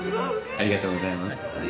ありがとうございます。